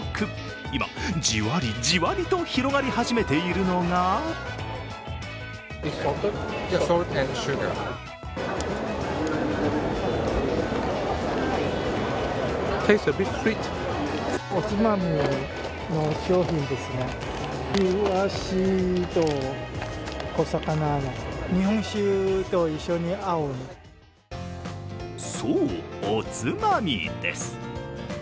今、じわりじわりと広がり始めているのがそう、おつまみです。